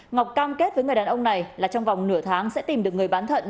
ngọc cam kết với người đàn ông này là trong vòng nửa tháng sẽ tìm được người bán thận